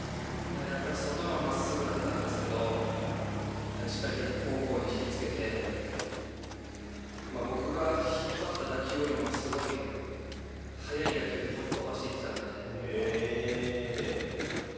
やっぱり外のまっすぐだったんですけど、しっかり逆方向に引きつけて、僕が引っ張った打球よりもすごい速い打球で飛ばしていってたんで。